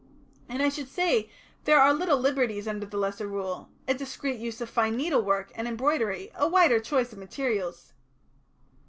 And I should say there are little liberties under the Lesser Rule; a discreet use of fine needlework and embroidery, a wider choice of materials."